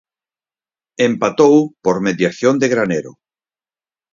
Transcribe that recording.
Empatou por mediación de Granero.